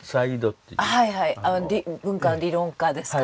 文化理論家ですか。